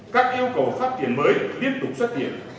các yêu cầu phát triển mới tiếp tục xuất hiện